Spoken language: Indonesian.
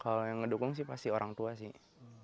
kalau yang ngedukung sih pasti orang tua sih